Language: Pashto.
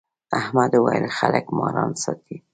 احمد وويل: خلک ماران ساتي.